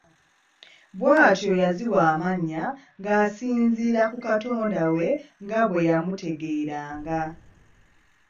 Bw’atyo yaziwa amannya ng’asinziira ku katonda we nga bwe yamutegeeranga.